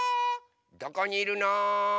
どこにいるの？